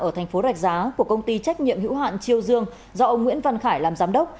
ở tp rạch giá của công ty trách nhiệm hữu hạn chiêu dương do ông nguyễn văn khải làm giám đốc